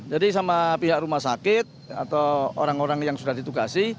jadi sama pihak rumah sakit atau orang orang yang sudah ditugasi